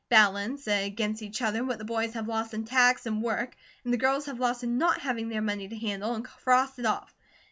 Balance against each other what the boys have lost in tax and work, and the girls have lost in not having their money to handle, and cross it off.